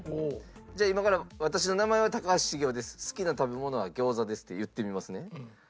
じゃあ今から「私の名前は高橋茂雄です好きな食べ物は餃子です」って言ってみますね。